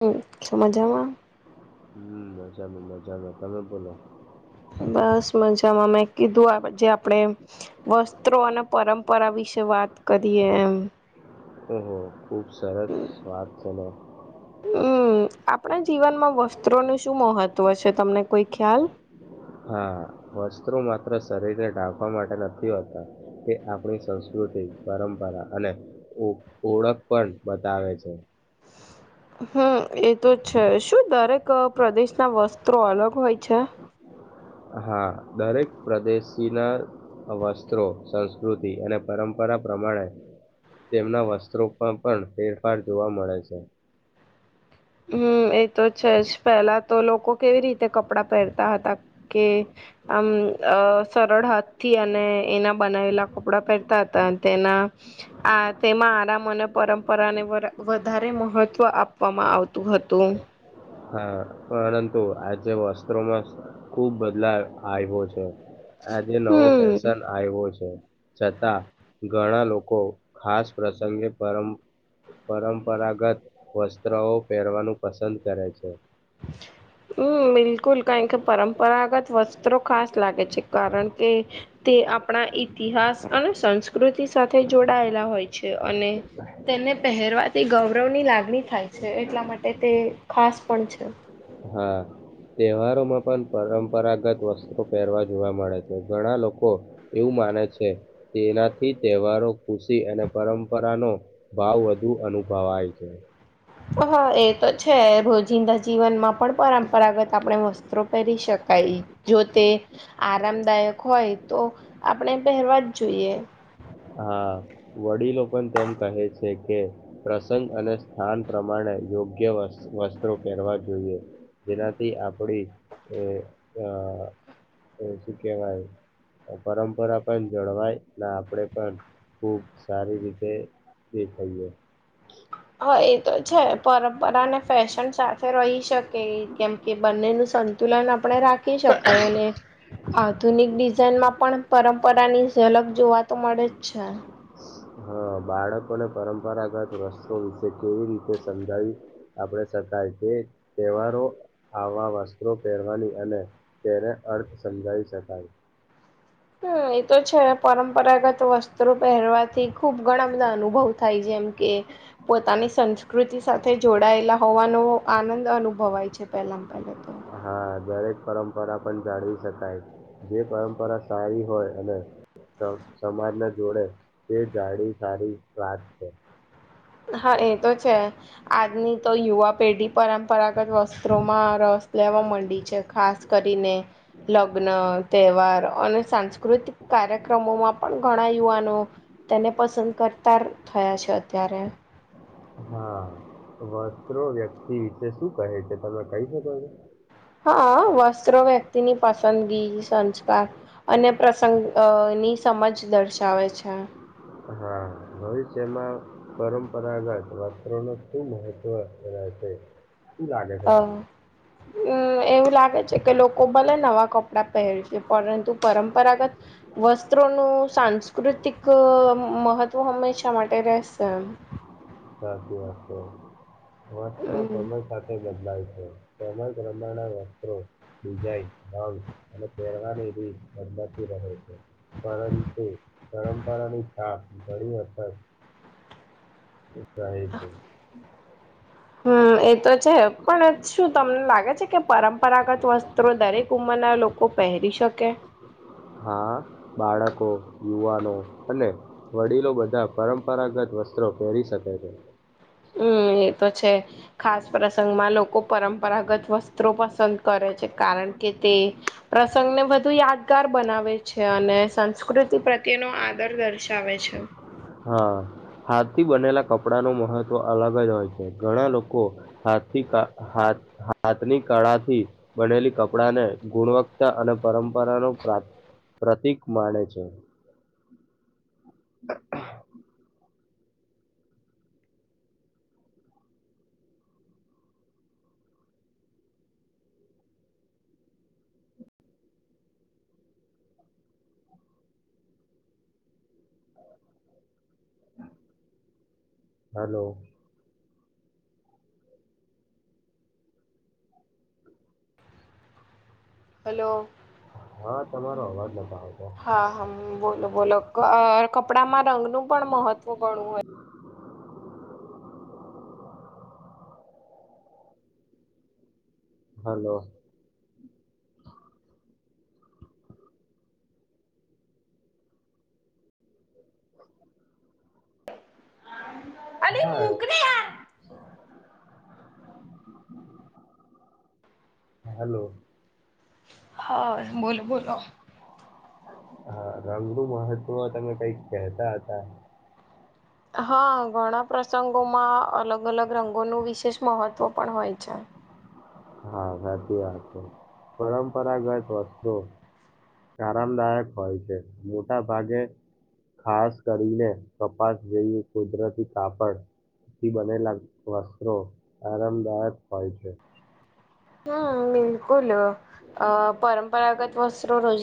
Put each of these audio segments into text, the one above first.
[inaudible] મઝામાં. હમ મજામાં મજામાં તમે બોલો બસ મજામાં મેં કીધું આ જે આપડે વસ્ત્રો અને પરંપરા વિશે વાત કરીએ એમ. ઓહો ખુબ સરસ વાત છે ને. હમ આપણા જીવનમાં વસ્ત્રોનું શું મહત્વ છે તમને કોઈ ખ્યાલ હા વસ્ત્રો માત્ર શરીરને ઢાકવા માટે નથી હોતા તે આપણી સંસ્કૃત પરંપરા અને ઓ ઓળખ પણ બતાવે છે. હમ એ તો છે શું દરેક પ્રદેશના વસ્ત્રો અલગ હોય છે હા દરેક પ્રદેશી ના વસ્ત્રો સંસ્કૃતિ અને પરંપરા પ્રમાણે તેમના વસ્ત્રોમાં પણ ફેરફાર જોવા મળે છે. હમ્મ એ તો છે જ પેલા તો લોકો કેવી રીતે કપડાં પહેરતા હતા કે આમ સરળ હાથથી? અને એના બનાવેલા કપડા પહેરતા હતા તેના તેમાં આરામ અને પરંપરાને વધારે મહત્વ આપવામાં આવતું હતું. હા પરંતુ આજે વસ્ત્રોમાં ખુબ બદલાવ આવ્યો છે. આજે નવો હમ ફેશન આવ્યો છે છતાં ઘણા લોકો ખાસ પ્રસંગે પરમ પરંપરાગત વસ્ત્ર ઓ પહેરવાનું પસંદ કરે છે, [inaudible] હમ્મ બિલકુલ કારણ કે પરંપરાગત વસ્ત્રો ખાસ લાગે છે કારણ કે તે આપણા ઈતિહાસ અને સંસ્કૃતિ સાથે જોડાયેલા હોય છે અને તેને પહેરવાથી ગૌરવની લાગણી થાય છે એટલા માટે તે ખાસ પણ છે. હા. તહેવારોમાં પણ પરંપરાગત વસ્ત્રો પહેરવા જોવા મળે છે ઘણા લોકો એવું માને છે તેનાથી તહેવારો ખુશી અને પરંપરાનો ભાવ વધુ અનુ અનુભવાય છે. હા એ તો છે ભોજિંદા જીવનમાં પણ પરંપરાગત આપણે વસ્ત્રો પહેરી શકાય જો તે આરામદાયક હોય તો આપણે પહેરવા જ જોઈએ. હા વડીલો પણ તેમ કહે છે કે પ્રસંગ અને સ્થાન પ્રમાણે યોગ્ય વસ્ત્રો પહેરવા જોઈએ. જેનાથી આપડી એ આ એ શું કેવાય પરંપરા પણ જળવાય ના આપણે પણ ખુબ સારી રીતે દેખાયએ. હા એ તો છે પરંપરાને ફેશન સાથે રહી શકે કેમ કે બંનેનું સંતુલન આપ આપણે રાખી શકાય અને આધુનિક ડિઝઇનમાં પણ પર પરાની અલગ જોવાતો મળે જ છે. હા બાળકોને પરંપરાગત વસ્ત્રુ વિશે કેવી રીતે સમજાવી આપણે શકાય તે તહેવારો આવા વસ્ત્રો પહેરવાની અને તેને અર્થ સમજાવી શકાય. હમ્મ એતો છે પરંપરાગત વસ્ત્રો પહેરવાથી ખુબ ઘણા બધા અનુભવ થાય જેમ કે પોતાના ની સંસ્કૃતિ સાથે જોડાયેલા હોવાનો આનંદ અનુભવાય છે પહેલામાં પહેલા તો હા દરેક પરંપરા પણ જાળવી શકાય જે પરંપરા સારી હોય અને સમાજને જોડે તે જાળ સારી વાત છે. હા એ તો છે આજની તો યુવા પેઢી પરંપરાગત વસ્ત્રોમાં રસ લેવા માંડી છે ખાસ કરીને લગ્ન તહેવાર અને સાંસ્કૃતિક કાર્યક્રમોમાં પણ ઘણા યુવાનો તેને પસંદ કરતા થયા છે અત્યારે હા વસ્ત્રો વ્યક્તિ વિશે શું કહે છે તમે કહી શકો છો હા વસ્ત્રો વ્યક્તિની પસંદગી સંસ્કાર અને પ્રસંગની સમજ દર્શાવે છે હા હોવે છે એમાં પરંપરાગત વસ્ત્રોને ખૂબ મહત્વ રહેાય છે. હ હમ્મ તમને એવું લાગે છે. કે લોકો ભલે નવા કપડા પહેર છે પરંતુ પરંપરાગત વસ્ત્રોનું સા સાંસ્કૃતિક મહત્ત્વ હંમેશા માટે રહેશે એમ સાચી વાત મસ્ત્રો હમ સમય સાથે બદલાય છે. સમય પ્રમાના વસ્ત્રોિઝઇનઉ અને પરવાની રી કી છે, પરંતુ પરંપરાની છાપ ઘણી અખર રાહે છે, હમ્મ એ તો છે પણ શું તમને લાગે છે, કે પરંપરાગત વસ્ત્રો દરેક ઉમરના લોકો પહેરી- ર શકે? હા, બાળકો યુવાનો અને વડીલો બધા પરંપરાગત વસ્ત્રો પહેરી શકે છે. હમ્મ એ તો છે ખાસ પ્રસંગમાં લોકો પરંપરાગત વસ્ત્રો પસંદ કરે, કારન કે તે પ્રસંગને વધુ યાદગાર બનાવે છે, અને સંસ્કૃતિ પ્રત્યેનો આદર દર્શાવે છે, હા, હાથ થી બનેલા કપડા ન મહત્વ અલગ જ હોય છે ઘણા લોકો હાથથી હાથની કળાથી બનેલી કપડાને ગુણવત્તા અને પરંપરાનો પ્ર પ્રતિક માણે છે. [unintelligible] હલો હલો હા તમારો અવાજ નથી હા હા બોલો બોલો કપડામાં રંગનું પણ મહત્વ ઘણું હોય, હાલો [unintelligible] અલી હા મૂકને [unintelligible] હલો હા બોલો બોલો હા, રંગનું મહત્વ તમે કઈક કેતા હતા. હા, ઘણા પ્રસંગોમાં અલગ અલગ રંગોનું વિશેષ મહત્વ પણ હોય છે. હા, સાચી વાત છે પરંપરાગત વસ્તુ આરામદાયક હોય છે મોટા ભાગે ખાસ કરીને કપાસ જઈ કુદરતી કાપડ થી બનેલા વસ્ત્રો આરામદાયક હોય છે. હમ્મ બિલકુલ અ પરંપરાગત વસ્ત્રો રોજ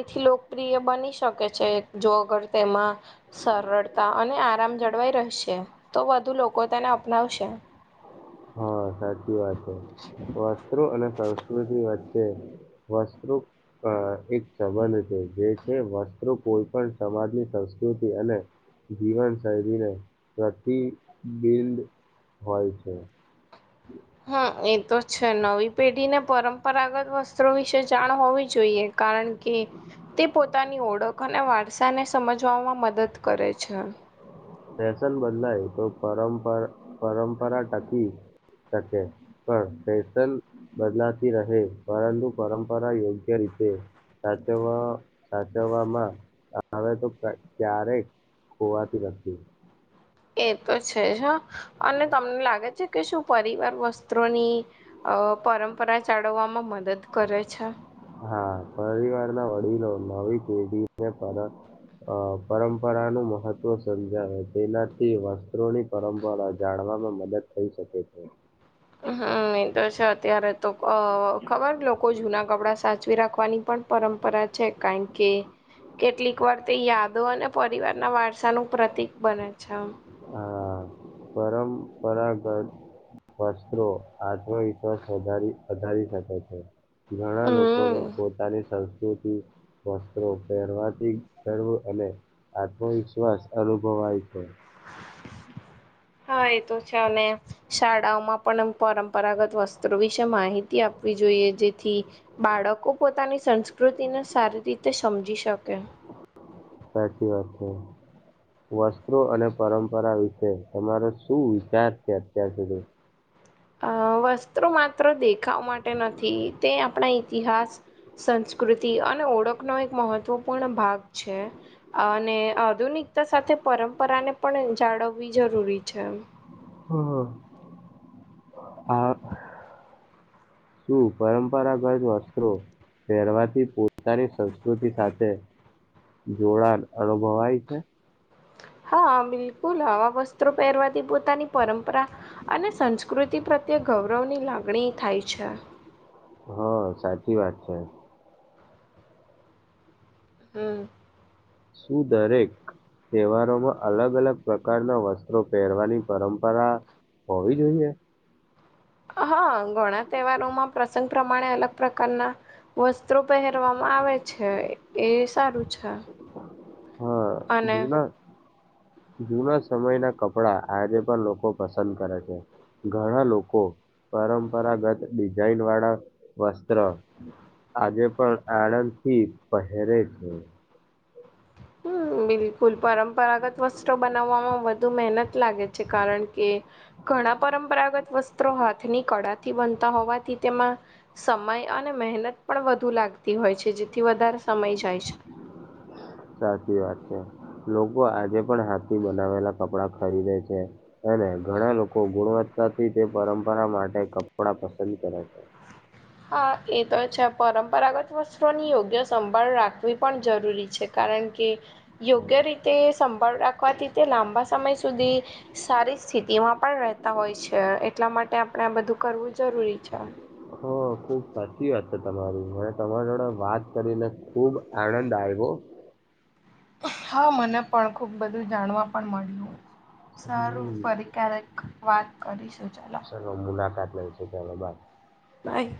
એથી લોકપ્રિય બની શકે છે, જો અગર તેમાં સરળતા અને આરામ જળવાઈ રહેશે, તો વધુ લોકો લોકો તેને અપનાવશે. હા, સાચી વાત છે વસ્ત્રો અને સંસ્કૃતિ વચ્ચે વસ્ત્રુ એક સંબંધ છે જે છે, મ કોઈ પણ સમાજની સંસ્કૃતિ અને જીવન શૈલીને પ્રતિબિંદ હોય છે. હા, એ તો છે નવી પેઢી ને પરંપરાગત વસ્ત્રો વિશે જાણ હોવી જોઈએ. કારણ કે તે પોતાની ઓળખ અને વારસાને સમજવામાં મદદ કરે છે. ફશન બદલાય તો પરંપરા પરંપરા ટાકી કે પણ ફેશન બદલાતી રહે પરંતુ પરંપરા યોગ્ય રીતે સાચ સાચવામાં આવે તો ક્યારેક કવાતી એ તો છે હા અને તમને લાગે છે, કે શું પરિવાર વસ્ત્રોની અ પરંપરા ચળવવામાં મદદ કરે છે. હા, પરિવાર ના વડીલો નવી પેઢીને પરત અ પરંપરા નું મહત્વ સમજાવે તેનાથી વસ્ત્રોની પરંપરા જાણવા મદદ થઈ શકે છે હમ એ તો છે, અત્યારે તો અ ખબર લોકો જૂના કપડાં સાચવી રાખવાની પણ પડ પરંપરા છે કારણ કે કેટલીક વાર તે યાદો અને પરિવારના વારસા નું પ્રતિક બને છે પરાગત વસ્ત્રો આત્મવિશ્વાસ વધ વધારી શકે છે ઘણા લોકોને હમ પોતાની સં વસ્ત્રો પહેરવાથી અને આત્મવિશ્વાસ અનુભવ હોય છે હા એ તો છે અને શાળાઓમાં પણ એમ પરંપરા પરાગત વસ્ત્રો વિશે માહિતી આપવી જોઈએ જેથી બાળકો પોતાની સંસ્કૃતિ સારી રીતે સમજી શકે સાચી વાત છે વસ્ત્રો અને પરંપરા વિશે તમારો શું વિચાર છે અત્યાર સુધી અ વસ્ત્રો માત્ર દેખાવ માટે નથી તે આપણા ઈતિહાસ સંસ્કૃતિ અને ઓળખનો એક મહત્વપૂર્ણ ભાગ છે, અને આધુનિક તો સાથે પરંપરાને પણ જાળવવી જરૂરી છે હમ, આ શું, પરંપરાગત વસ્ત્રો પહેરવાથી પોતાની સં પ્રકૃતિ સાથે જોડાણ અનુભવાય છે હા, બિલકુલ આવા વસ્ત્રો પહેરવાથી પોતાની પરંપરા અને સંસ્કૃતિ પ્ર તો ગૌરવની લાગણી થાય છે હા સાચી વાત છે હમ શું દરેક તહેવારોમાં અલગ અલગ પ્રકારના વસ્ત્રો પહેરવાની પરંપરા હોવી જોઈએ? હા ઘણા તહેવારોમાં પ્રસંગ પ્રમાણે અલગ પ્રકારના વસ્તુ સ્ત્રોપહેરવામાં આવે છે, એ સારું છે હા બીજ [unintelligible] ના હ જૂના સમયના કપડા આજે પણ લોકો પસંદ કરે છે, ઘણા લોકો પરંપરાગત ડિઝાઇન વાળા વસ્ત્ર આજે પણ આનંદ થી પહેરે છે હ બિલકુલ પરંપરાગત વસ્ત્રો બનાવવામાં વધુ મહેનત લાગે છે કારણ કે ઘણા પરંપરાગત વસ્તુ હાથની કળાથી બનતા હોવાથી તેમાં સમય અને મહેનત પણ વધુ લાગતી હોય હોય છે, જેથી વધારે સમય જાય છે હાચી વાત છે લોકો આજે પણ હાથથી બનાવેલા કપડા ખરીદે છે એને ઘણા લોકો ગુણવત્તાથી તે પરંપરા માટે કપડા પસંદ કરે છે હા એ તો છે પરંપરાગત વસ્ત્રોની યોગ્ય સંભાળ રાખવી પણ જરૂરી છે કારણ કે યોગ્ય રીતે સંભાળ રાખવાથી તે લાંબા સમય સુધી સારી સ્થિતિમાં પણ રહેતા હોય છે એટલા માટે આપણે આ બધું કરવું જરૂરી છે હ ખુબ સાચી વાત છે, તમારી અને તમારા જોડે વાત કરીને ખુબ આનંદ આવ્યો હ હા મને પણ ખુબ બધું જાણવા પણ મળ્યું સારું હમ ફરી ક્યારેક વાત કરીશ ચલો મુલાકાત લેસુ ચલો બાય ભાઈ